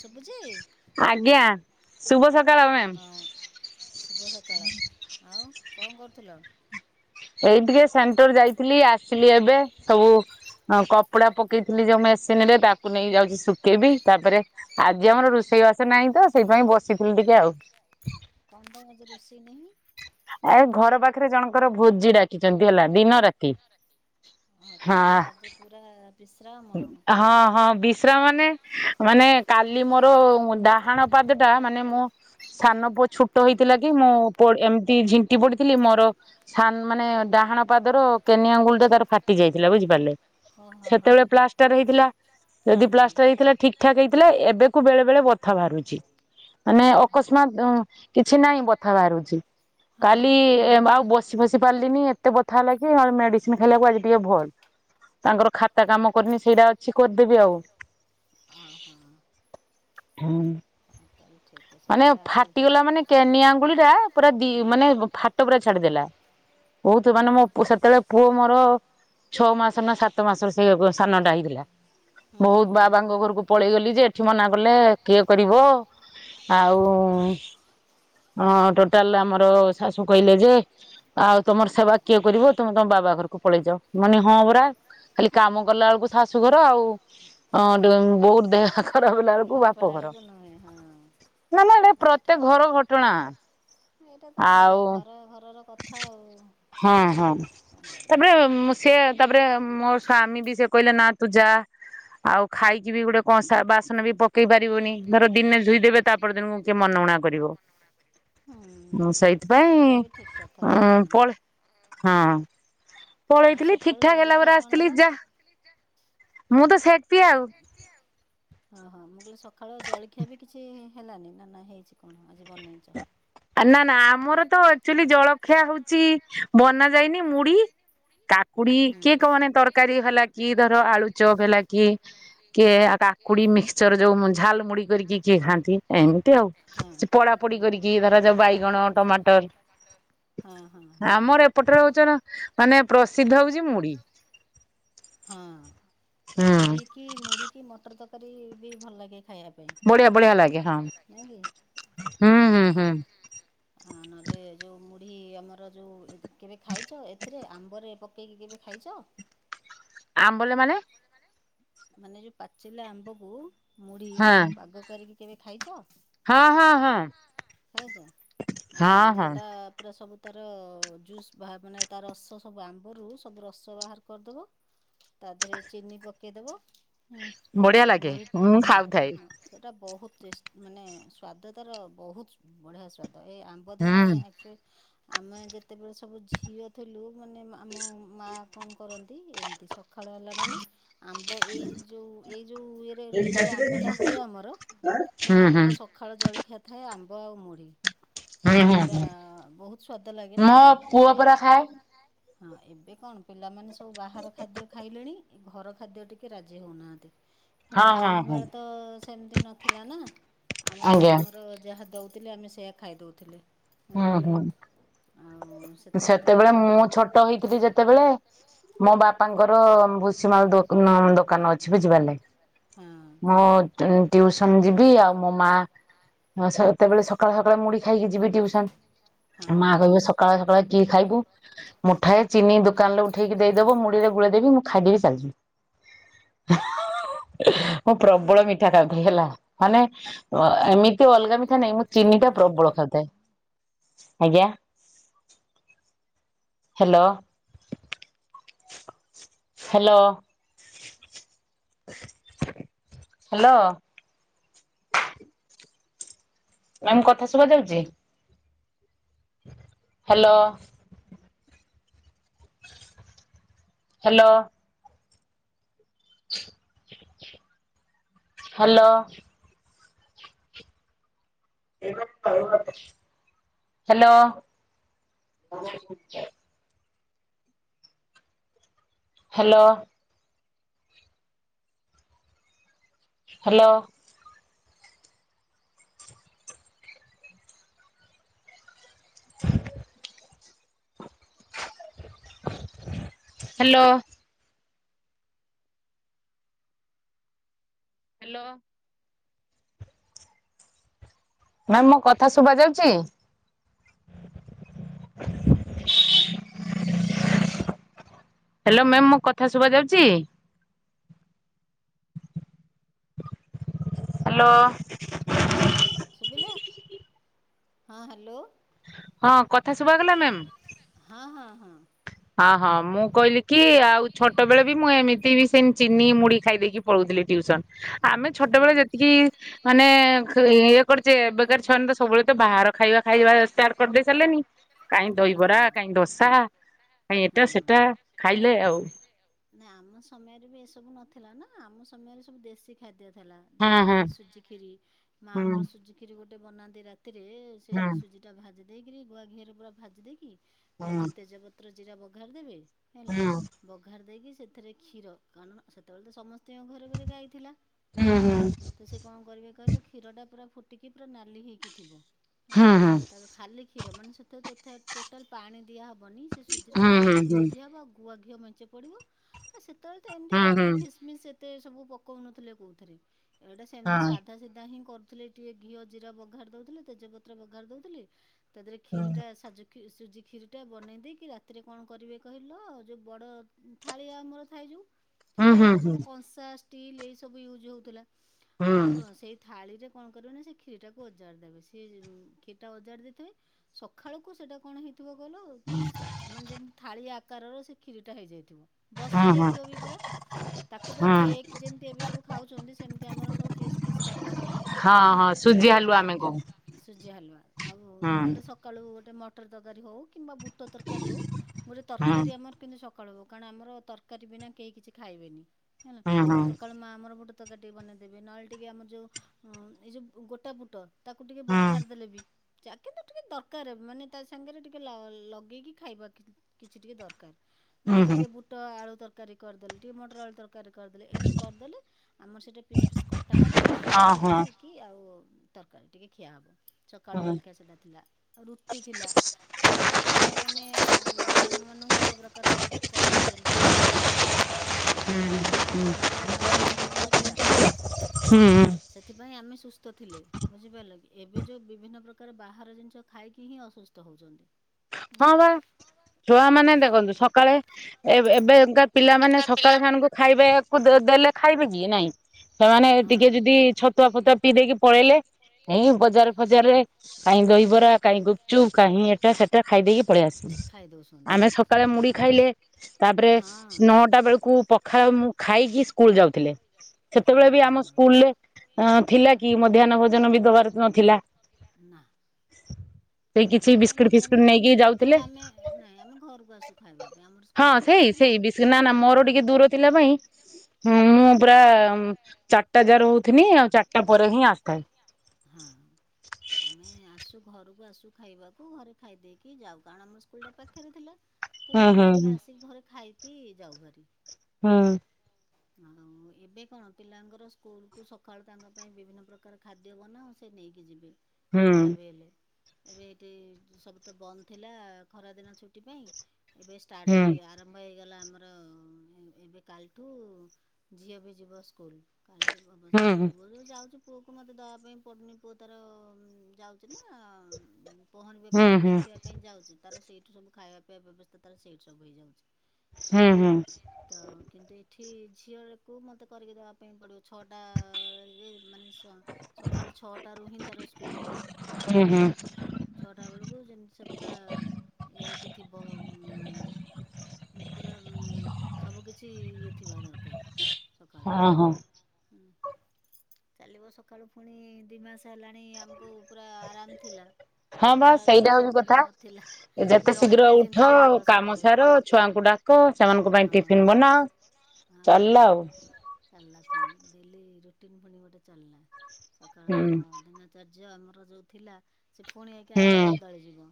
ଶୁବୁଚି? ଆଜ୍ଞା ଶୁଭ ସକାଳ ମ୍ୟାମ୍। ହଁ ଶୁଭ ସକାଳ ଆଉ କଁ କରୁଥିଲ? ଏଇ ଟିକେ ସେଣ୍ଟର ଯାଇଥିଲି ଆସିଲି ଏବେ ସବୁ ହଁ କପଡ଼ା ପକେଇଥିଲି ଯୋଉ ମେସିନରେ ତାକୁ ନେଇ ଯାଉଚି ଶୁକେଇବି ତାପରେ ଆଜି ଆମର ରୋଷେଇବାସ ନାହିଁତ ସେଇପାଇଁ ବସିଥିଲି ଟିକେ ଆଉ। କଣ ପାଇଁ ଆଜି ରୋଷେଇ ନାହିଁ? ଆ ଘର ପାଖରେ ଜଣଙ୍କର ଭୋଜି ଡାକିଚନ୍ତି ହେଲା ଦିନ ରାତି। ଓ ହଁ ତାଲେ ପୁରା ଆଜି ପୁରା ବିଶ୍ରାମ। ଆଉ ହଁ ହଁ ବିଶ୍ରାମ ନେ। ମାନେ କାଲି ମୋର ଡାହାଣ ପାଦଟା ମାନେ ମୁଁ ସାନ ପୁଅ ଛୁଟ ହେଇଥିଲା କି ମୁଁ ପଡ୍ ଏମିତି ଝିଣ୍ଟି ପଡିଥିଲି ମୋର ସାନ୍ ମାନେ ଡାହାଣ ପାଦର କେନିଆଙ୍ଗୁଳିଟା ତାର ଫାଟି ଯାଇଥିଲା ବୁଝିପାରିଲେ? ହଁ ହଁ! ହଁ ସେତେବେଳେ ପ୍ଲାଷ୍ଟର ହେଇଥିଲା। ଯଦି ହଁ। ପ୍ଲାଷ୍ଟର ହେଇଥିଲା ଠିକ୍ ଠାକ୍ ହେଇଥିଲା ଏବେ କୁ ବେଳେବେଳେ ବଥା ବାହାରୁଛି। ମାନେ ହଁ ହଁ। ଅକସ୍ମାତ୍ ହଁ କିଛି ନାହିଁ ବଥା ବାହାରୁଚି ହଁ ହଁ କାଲି ହଁ। ଆଉ ବସି ଫସି ଉଠିପାରିଲିନି ଏତେ ବଥା ହେଲାକି ଏ ମେଡ଼ିସିନ୍ ଖାଇବାକୁ ଆଜି ଟିକେ ଭଲ୍। ତାଙ୍କର ତାଙ୍କର ଖାତା କାମ [unintelligible] ଅଛି କରିଦେବି ଆଉ। ହଁ ହଁ! ହୁଁ! ହଁ ତାହେଲେ ଠିକ୍ ଅ- ମାନେ ଫାଟିଗଲା ମାନେ କେନି ଆଙ୍ଗୁଳିଟା ପୁରା ଦି ହଁ ମାନେ ବ ଫାଟ ପୁରା ଛାଡିଦେଲା। ହଁ ବହୁତୁ ହଁ ମାନେ ମୋ ହଁ। ପୁ ସେତେବେଳେ ପୁଅ ମୋର ଛଅ ମାସ ନା ସାତ ମାସ ସେଇ [unintelligible] ସାନଟା ହେଇଥିଲା। ହୁଁ ବହୁତ୍ ହୁଁ ବାବାଙ୍କ ଘରକୁ ପଳେଇଗଲି ଯେ ଏଠି ମନା କଲେ କିଏ କରିବ। ଆଉ ହଁ ଟୋଟାଲ ଆମର ଶାଶୁ କହିଲେ ଯେ ଆଉ ତମର ସେବା କିଏ କରିବ ତମେ ତମ ବାବା ଘରକୁ ପଳେଇ ଯାଅ ମନି ହଁ ପରା। ଖାଲି କାମ କଲା ବେଳକୁ ଶାଶୁଘର ଆଉ ହଁ ଡ ବହୁ ଦେହ ଖରାପ ହେଲା ବେଳକୁ ଖରାପ ବାପଘର। [inaudible] ହଁ! ନାମ ଏଡେ ଏଇଟା ପ୍ରତ୍ୟେକ ଠିକ୍ ଘର ଘଟଣା। ଏଇଟା ତ ଘ ଆଉ ଘର ଘରର କଥା ଆଉ ହଁ ହଁ କଣ କରି ତାପରେ ଉମ୍ ସେ ତାପରେ ମୋ ସ୍ଵାମୀ ବି ସେ କହିଲା ନା ତୁ ଯା। ଆଉ ଖାଇକି ବି ଗୋଟେ କଂସା ବାସନ ବି ପକେଇ ପାରିବନି ଧର ଦିନେ ଧୁଇଦେବେ। ତାପର ଦିନକୁ କିଏ ମନଉଣା କରିବ। ମୁଁ ହୁଁ ସେଇଟା ବି ଠିକ୍ କଥା ସେଇଥିପାଇଁ ହଁ ଅଁ ପଳେ ହଁ ଆଉ ପଳେଇଥିଲି ଠିକ୍ ସକାଳୁ ଠାକ୍ ହେଲା ଜଳଖିଆ ପରେ କଣ ଆସିଥିଲି ହେଲା? ଯା। ମୁଁ ତ ସେତି ଆଉ। ଓହୋ ମୁଁ କହିଲି ସଖାଳୁ ଜଳଖିଆ ବି କିଛି ହେଲାନି ନା ନା ହେଇଛି କଣ ଆଜି ବନେଇଚ? ନା ନା ଆମର ତ ଆକ୍ଚୁଆଲି ଜଳଖିଆ ହଉଚି ବନା ଯାଇନି ମୁଢି କାକ୍ କୁଡି ହୁଁ। କିଏ କ ମାନେ ତରକାରୀ ହେଲା କି ଧର ଆଳୁଚପ୍ ହେଲା କି କି କିଏ କାକୁଡି ମିକ୍ସଚର ଯୋଉ [unintelligible] ଝାଲ ମୁଡି କରିକି କିଏ ଖାଆନ୍ତି। ଏମିତି ଆଉ। ହଁ ହଁ! ସେ ପୋଡା ପୋଡି କରିକି ପୋଡ଼ା ଧର ପୋଡ଼ି ଯୋଉ କରିକି ବାଇଗଣ ଧରା ଯାଉ ଟମାଟର ବାଇଗଣ କି ଟମାଟର ହଁ ହଁ ହଁ ଆମର ହଁ ଏପଟରେ ହଉଛ ଆମର ନା ଏପଟ୍ ମାନେ [unintelligible] ପ୍ରସିଦ୍ଧ ମାନେ ହଉଛି ମୁଢି ପ୍ରସିଦ୍ଧ ହଉଚି ମୁଢି। ହଁ! ମୁଢି ହୁଁ କିି ମୁଢି କିି ମଟର ତରକାରୀ ବି ଭଲ ଲାଗେ ଖାଇବା ପାଇଁ। ବଢିଆ ଲାଗେ ବଢିଆ ହଁ ବଢିଆ ଲାଗେ। କାହିଁକି ଆଉ ହୁଁ ହୁଁ ହୁଁ! ଆ ନହେଲେ ଯଉ ମୁଢ଼ି ଆମର ଯଉ କେବେ ଖାଇଚ ଏଥିରେ ଆମ୍ବରେ ପକେଇକି କେବେ ଖାଇଚ? ଆମ୍ବଲେ ମାନେ? ମାନେ ଯୋଉ ପାଚିଲା ଆମ୍ବକୁ ମୁଢି ହଁ ପାଗ କରିକି କେବେ ଖାଇଛ? ହଁ ହଁ ହଁ ଖଇଚ ମାନେ ହଁ ହଁ। ଆମ୍ବଟା ପୁରା ସବୁ ତାର ଜୁସ୍ ବାହା ମାନେ ତା ରସ ସବୁ ଆମ୍ବରୁ ସବୁ ରସ ବାହାର କରିଦବ। ତା ଦେହରେ ଚିନି ପକେଇଦବ ବଢିଆ ଲାଗେ [unintelligible] ମୁଁ ହଁ ହଁ! ଖାଉଥାଏ ସେଇଟା ବହୁତେ ଟେସ୍ ମାନେ ସ୍ଵାଦ ତାର ବହୁତ ବଢ଼ିଆ ସୁ ଏ ଆମ୍ୱଦିନେ ହୁଁ ଏ ଆମେ ଯେତେବେଳେ ସବୁ ଝିଅ ଥିଲୁ ମାନେ ଆମ ମା କଣ କରନ୍ତି ଏମିତି ସ ଖାଳ ହେଲା ମାନେ ଆମ୍ୱ ଏଇ ଯୋଉ ଏଇ ଯୋଉ ଏରେ ଋତୁରେ ଆମ୍ବଟା ହୁଏ ଆମର ହୁଁ ମାନେ ହୁଁ ଆମର ପଖାଳ ଜଳଖିଆ ଥାଏ ଆମ୍ବ ଆଉ ମୁଢ଼ି ହୁଁ ହୁଁ ଏଟା ହୁଁ ବହୁତ ସ୍ୱାଦ ଲାଗେ ନା ମୋ ପୁଅ ଏବେ ପରା ଖାଏ ହଁ ଏବେ କଣ ପିଲାମାନେ ସବୁ ବାହାର ଖାଦ୍ୟ ଖାଇଲେଣି ଘର ଖାଦ୍ୟ ଟିକେ ରାଜି ହଉନାହାନ୍ତି। କିନ୍ତୁ ହଁ ଆମ ହଁ ହଁ ବେଳେ ତ ସେମିତି ନଥିଲା ନା ଆମ ଆଜ୍ଞା ଆମର ଯାହା ଦେଉଥିଲେ ଆମେ ସେୟା ଖାଇ ଦେଉଥିଲେ ହୁଁ ଆଉ ସେତେବେଳେ ଥିଲା କଣ କି ଟ ହେଇଥିଲି ଯେତେବେଳେ ମୋ ବାପାଙ୍କର କି ମାଳ ନ ଦୋକାନ ଅଛି ବୁଝିପାରିଲେ ହଁ ମୁଁ ଟ୍ୟୁଉସନ ଯିବି ଆଉ ମୋ ମା ସେତେବେଳେ ସକାଳେ ସକାଳେ ମୁଡି ଖାଇକି ଯିବି ହଁ ଟ୍ୟୁସନ ମା କହିବେ ସକାଳେ ସକାଳେ କିଏ ଖାଇବୁ। ମୁଠାଏ ଚିନି ଦୋକାନ ରେ ଉଠେଇକି ଦେଇଦବ ମୁଢରେ ଗୁଳେଇ ଦେବି ମୁଁ ଖାଇଦ ବିି ଚାଲଛି ମୁଁ ପ୍ରବଳ ମିଠା ଖାଉଥି ହେଲା ମାନେ ଏମିତି କେ ଅଲଗା ମିଠା ନାଇଁ ମୁଁ କିଏ ଚିନି ଟା ଖାଇଦେବ ପ୍ରବଳ ଖାଉଥାଏ। ଆଜ୍ଞା ହ୍ୟାଲୋ ହ୍ୟାଲୋ ହ୍ୟାଲୋ ମମ କଥା ଶୁବା ଯାଉଛି hello hello [inaudible] hello hello hello hello [inaudible] hello [inaudible] hello ma'am ମୋ କଥା ଶୁଭା ଯାଉଛି? ହ୍ୟାଲୋ ମ୍ୟାମ୍ ମୋ କଥା ଶୁଭାଯାଉଛି? ହ୍ୟାଲୋ ଶୁବିଲା? ହଁ ହ୍ୟାଲୋ ହଁ କଥା ଶୁଭଗଲା ମ୍ୟାମ୍? ହଁ-ହଁ-ହଁ। ହଁ ହଁ। ମୁଁ କହିଲି କି ଆଉ ଛୋଟବେଳେ ବି ମୁଁ ଏମିତି ବି ସେମ ଚିନି ମୁଡି ଖାଇଦେଇକି ପଳଉଥିଲି ଟ୍ୟୁସନ୍। ଆମେ ହଁ ଛୋଟବେଳେ ଯେତିକି ମାନେ ଇଏ କରୁଛେ ଏବେକାର ଛୁଆନି ତ ସବୁବେଳେ ତ ବାହାର ଖାଇବା ଖାଇବା ଷ୍ଟାର୍ଟ କରିଦେଇ ସାରିଲେନି କାହିଁ ଦହିବରା କାହିଁ ଦୋସା କାଇଁ ଏଟା ହୁଁ ସେଟା ଏଟା ସେଟା ଖାଇଲେ ଆଉ ଖାଇ ଲେ ନା ଆମ ସମୟରେ ବି ଏସବୁ ନଥିଲା ନା ଆମ ସମୟରେ ସବୁ ଦେଶୀ ଖାଦ୍ୟ ଥିଲା। ହଁ ଯେମିତି ହଁ କିି ସୁଜି ଖିରି ମା ହୁଁ ଆମର ସୁଜି ଖିରି ଗୋଟେ ବନାନ୍ତି ରାତିରେ ସେ ହୁଁ ସୁଜି ଟା ଭାଜି ଦେଇକିରି ଗୁଆ ଘିଅରେ ପୁରା ଭାଜି ଦେଇକି ତା ଦେହରେ ତେଜପତ୍ର ଜିରା ବଘାରିଦେବେ ହେଲା ହୁଁ ହୁଁ ବଘାର ଦେଇକି ସେଥିରେ କ୍ଷୀର କାରଣ ସେତେବେଳେ ତ ସମସ୍ତଙ୍କ ଘରେ ଘରେ ଗାଈଥିଲା ହଁ ହୁଁ ତ ସେ କଣ କରିବେ କହିଲ କ୍ଷୀରଟା ପୁରା ଫୁଟିକି ପୁରା ନାଲି ହେଇକି ଥିବ। ହଁ ହୁଁ ତାକୁ ଖାଲି କ୍ଷୀର ମାନେ ସେଥିରେ ତଥା ଟୋଟାଲ ପାଣି ଦିଆହବନି ସେ ସୁଜିରେ ଖାଲି ହୁଁ ହୁଁ ହୁଁ ହୁଁ [unintelligible] ଗୁଆ ଘିଅ ମେଞ୍ଚେ ପଡିବ ଆ ସେତେବେଳେ ତ ଏମତି ହୁଁ ହୁଁ ହୁଁ କଜୁ କିସମିସ ଏ ଏତେ ସବୁ ପକଉନଥିଲେ କୋଉଥିରେ ଏଇଟା ହଁ ସେମିତି ସା ସିଧା ହିଁ କରୁଥିଲେ ଟିକେ ଘିଅ ଜିରା ବଘାରି ଦଉଥିଲେ ତେଜପତ୍ର ବଘାରି ଦଉଥିଲେ ତା ଦେହରେ ଖିରିଟା ସାଜୁକି ସୁଜି ଖିରିଟା ବନେଇ ଦେଇକି ରା ସେଥିରେ କଣ କରିବେ କହିଲ ଯେଉଁ ବଡ଼ ଥାଳିଆ ଆମର ଥାଏ ଯଉ ସେତେବେଳେ ହୁଁ ତ ହୁଁ ହୁଁ ହୁଁ ହୁଁ ହୁଁ ସବୁ କଂସା ଷ୍ଟିଲ୍ ଏଇ ସବୁ ୟୁଜ୍ ହଉଥିଲା ତ ହୁଁ ସେଇ ଥାଳିରେ କଣ କରିବ ନା ସେ ଖିରିଟାକୁ ଅଜାରି ଦେବେ ସେ ଖିରିଟା ଅଜାଡ଼ି ଦେଇଥିବେ ସଖାଳକୁ ସେଟା କଣ ହେଇଥିବ କହିଲ ମାନେ ଯେମିତି ଥା ଳି ଆକାରର ସେ ଖିରିଟା ହେଇଯାଇଥିବ ବସି ଯାଇଥିବ ବି ପୁରା। ତାକୁ ପୁରା କେକ୍ ଯେମିତି ଏବେ ସବୁ ଖାଉଛନ୍ତି ସେମିତି ଆମର ସବୁ ପିସ୍ ପିସ୍ କଟା ହବ ହଁ ହଁ ସୁଜି ହାଲୁଆ ଆମେ କହୁ। ସୁଜି ହାଲୁଆ ଆଉ ହୁଁ ଗୋଟେ ସକାଳୁ ଗୋଟେ ମଟର ତରକାରୀ ହଉ କିମ୍ବା ବୁଟ ତର ରକାରୀ ହଉ ଗୋଟେ ହୁଁ ତରକାରୀ ଆମର କିନ୍ତୁ ସକାଳୁ ହବ କାରଣ ଆମର ତରକାରୀ ବିନା କେହି କିଛି ଖାଇବେନି। ହେଲା ହୁଁ ହୁଁ ସକାଳୁ ମା ଆମର ବୁ ଟ ତରକାରୀ ଟିକେ ବନେଇଦେବେ ନହେଲେ ଟିକେ ଆମର ଯୋଉ ଏଇ ଯଉ ଗୋଟା ବୁଟ ତାକୁ ଟିକେ ବଘାରି ଦେଲେ ବି ଚା ଟା ଟିକେ ଦରକାର ମାନେ ତା ସାଙ୍ଗରେ ଟିକେ ଲା ଲଗେଇକି ଖାଇବା କିଛି ଟିକେ ଦରକାର ହୁଁ ନହେଲେ ହୁଁ ହୁଁ ଟିକେ ବୁଟ ଆଳୁ ତରକାରୀ କରିଦେଲେ ଟିକେ ମଟର ଆଳୁ ତର କାରୀ କରିଦେଲେ ଏମିତି କରିଦେଲେ ଆମର ସେଇଠି ପିସ୍ ପିସ୍ କଟା ହେବ ହଁ ସୁଜିଖିରି ହଁ କି ଆଉ ତରକାରୀ ଟିକେ ଖିଆ ହବ। ସକାଳୁ ହୁଁ ଜଳଖିଆ ସେଇଟା ଥିଲା ରୁଟି ଥିଲା ଏବେ ତ ଛୁଆ ମ ମାନେ ମାମା ମାନଙ୍କୁ କେତେ ପ୍ରକାର କହିଦଉଛନ୍ତି ଏଇଟା ବନାଅ ସେଇଟା ବନାଅ ସେଟା ବନାଅ ହୁଁ ଆମ ବେଳେ କଣ ଏତେ ସବୁ ଜିନିଷ ଥିଲା। ହୁଁ। ସେଥିପାଇଁ ଆମେ ସୁସ୍ଥ ଥିଲେ ବୁଝିପାରିଲ କି ଏବେ ଯୋଉ ବିଭିନ୍ନ ପ୍ରକାର ବାହାର ଜିନିଷ ଖାଇକି ହିଁ ଅସୁସ ତ ହଉଚନ୍ତି। ହଁ ବା ଛୁଆମାନେ ଦେଖନ୍ତୁ ସକାଳେ ଏବେ ଏବେ ଏଗାର ପିଲାମାନେ ସକାଳେ ସେମାନଙ୍କୁ ଖାଇବେକୁ ଦେଲେ ଖାଇବେ କି ନାଇଁ ସେମାନେ ହଁ ଟିକେ ଯଦି ଛତୁଆ ଫତୁଆ ପିଇ ଦେଇକି ପଳେଇଲେ ଏଇଁ ବଜାର ଫଜାରରେ କାହିଁ ଦହିବରା କାହିଁ ଗୁପଚୁପ କାହିଁ ଏଟା ସେ ଟା ଖାଇ ଦେଇେଇକି ପଳେଇ ଆସିବେ ଖାଇ ଦଉଛନ୍ତି ଆମେ ବାସ୍। ସକାଳେ ମୁଢି ଖାଇଲେ ତାପରେ ହଁ ନଅଟା ଟା ବେଳକୁ ପଖାଳ ମୁଁ ଖାଇକି ସ୍କୁଲ ଯାଉଥିଲେ ସେତେବେଳେ ବି ଆମ ସ୍କୁଲରେ ଅ ଥିଲା କି ସ୍କୁଲରେ ଥିଲା ମଧ୍ୟାହ୍ନ କି ଭୋଜନ ବି ମଧ୍ୟାହ୍ନ ଦବାର ଭୋଜନ ବି ନଥିଲା। ନଥିଲା। ନାଁ ସେଇ କିଛି ବିସ୍କୁଟ ଫିସ ଭୋଜନ ଥିଲା ସେତେବେଳେ ଆମେ ନାଇଁ ଆମେ ଘରକୁ ଆସୁ ଖାଇବା ପାଇଁ ଆମର ସ୍କୁଲ ହଁ ପାଖରେ ସେଇ ଥିଲା। ସେଇ ବିସ୍କି ନା ନା ମୋର ଟିକେ ହଁ। ଦୂର ଥିଲା ପାଇଁ ମୁଁ ପୁରା ଚାରିଟା ଯାଏ ରହୁଥିଲି ଆଉ ଚାରିଟା ପରେ ହିଁ ଆ ହିଁ ଆସେ ହଁ ଆମେ ଆସୁ ଘରକୁ ଆସୁ ଖାଇବାକୁ ଘରେ ଖାଇ ଦେଇକି ଯାଉ କାରଣ ଆମ ସ୍କୁଲଟା ପାଖରେ ଥିଲା। ତ ହୁଁ ହେଥିପାଇଁ ହୁଁ ଆମେ ଆସି ଘରେ ଖାଇକି ଯାଉ ଭାରି ହୁଁ। ଆଉ ଏବେ କଣ ପିଲାଙ୍କର ସ୍କୁଲକୁ ସକାଳୁ ତାଙ୍କ ପାଇଁ ବିଭିନ୍ନ ପ୍ରକାର ଖାଦ୍ୟ ବନାଅ ସେ ନେଇକି ଯିବେ ହୁଁ ଯାହାବି ହେଲେ। ଏବେ ଏଇଠି ସବୁ ତ ବନ୍ଦ ଥିଲା ଖରାଦିନ ଛୁଟି ପାଇଁ ଏବେ ଷ୍ଟାଟ ହେଇ ଆର ମ୍ଭ ହେଇଗଲା ଆମର ଏବେ କାଲିଠୁ ଝିଅ ବି ଯିବ ସ୍କୁଲ। କାଲି ତ ହୁଁ ଅବଶ୍ୟ ହୁଁ ପୁଅ ବି ଯାଉଛି ପୁଅକୁ ମୋତେ ଦେବା ପାଇଁ ପଡ଼ୁନି ପୁଅ ତାର ଯାଉଛି ନା ପହଁରିବା ହୁଁ ପାଇଁ ହୁଁ ଯେଉଁ ଶିଖିବା ହୁଁ ପାଇଁ ଯାଉଛି ତାର ସେଇଠୁ ସବୁ ଖାଇବା ପିଇବା ବ୍ୟବସ୍ଥା ତାର ସେଇଠି ସବୁ ହେଇଯାଉଛି। ହଁ। ହୁଁ ତ କିନ୍ତୁ ଏଠି ଝିଅକୁ ମୋତେ କରିକି ଦେବା ପାଇଁ ପଡ଼ିବ ଛଅଟା [unintelligible] ମାନେ ତା ସକାଳ ଛଅଟାରୁ ହିଁ ତାର ସ୍କୁଲ, ହୁଁ। ଛଅଟା ବେଳକୁ ଜିନିଷ ପୁରା ଇଏ ହେଇକି ଥିବ ହୁ ପୁରା ସବୁ କିିଛି ଇଏ ଥିବା ଦରକାର ସକାଳୁ। ହଁ ହଁ ହୁଁ ଚାଲିବ ସକାଳୁ ପୁଣି ଦି ମାସ ହେଲାଣି ଆମକୁ ପୁରା ଆରାମ ଥିଲା। ହଁ ବାସ ସକାଳର ଏଇ ସେଇଟା ହଉଛି ଚିନ୍ତାଟା କଥା ନଥିଲା ଯେତେ ଶୀଘ୍ର ଜଳଖିଆ ଉଠ ଚିନ୍ତାଟା ଆଗ କାମ ସକାଳୁ ସାର ଛୁଆଙ୍କୁଡା କହ ସେମାନଙ୍କ ପାଇଁ ହଁ ଟିଫିନ୍ ବନାଅ। ହଁ ପା ଚାଲିଲା ଆଉ ଚାଲିଲା ଆଉ। ଚାଲିଲା ପୁଣି ଡେଲି ରୁଟିନ ପୁଣି ଗୋଟେ ଚାଲିଲା ହୁଁ ସକାଳର ଦିନ ଚର୍ଯ୍ୟ ଆମର ଯଉ ଥିଲା ସେ ପୁଣି ଆଇକା ହୁଁ। ବଦଳିଯିବ।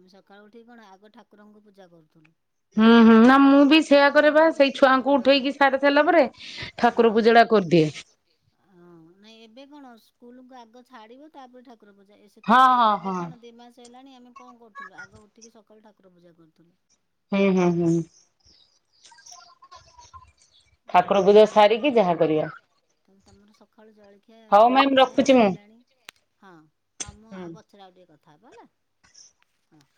ଆମେ ସକାଳୁ ଉଠିକି କଣ ଆଗ ଠାକୁରଙ୍କୁ ପୂଜା କରୁଥିଲୁ। ହଁ, ଏବେ ହଁ ନା ସକାଳୁ ମୁଁ ଉଠିଲେ ବି ଆଗ ସେୟା କରେ ପିଲାଙ୍କ ବା କାମ ସେଇ ଛୁଆଙ୍କୁ ହଁ। ଉଠେଇକି ସାରି ସାରିଲା ପରେ ଠାକୁର ହଁ। ପୂଜା ଟା କରିଦିଏ। ହଁ ନାଇଁ ଏବେ କଣ ସ୍କୁଲକୁ ଆଗ ଛାଡିବ ତାପରେ ଠାକୁର ପୂଜା ଏ ହଁ ହଁ ସେତେବେଳେ ଏବେ ହଁ କଣ ଦିଇ ମାସ ହେଲାଣି ଆମେ କଣ କରୁଥିଲୁ ଆଗ ଉଠିକି ସକାଳୁ ଠାକୁର ପୂଜା କରୁଥିଲୁ। ହୁଁ, ହୁଁ, ହୁଁ। ଠାକୁର ପୂଜା ଆଉ ସାରିକି ଯାହା କରିବା। ତ ତାହେଲେ ତମର ସକାଳୁ ଜଳଖିଆ ହଉ ମାନେ ମ୍ୟାମ୍ ଖିଆ ହେଇ ରଖୁଛି ମୁଁ। ସାରିଲାଣି, ହଁ। ହଁ ମୁଁ ଆଉ ହୁଁ। ପଛରେ ଆଉ ଟିକେ କଥା ହବ ହେଲା ହଁ।